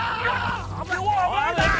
危ない！